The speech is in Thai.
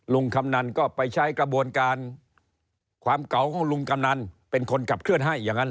คำนันก็ไปใช้กระบวนการความเก่าของลุงกำนันเป็นคนขับเคลื่อนให้อย่างนั้น